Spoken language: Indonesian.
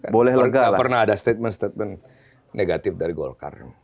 tidak pernah ada statement statement negatif dari golkar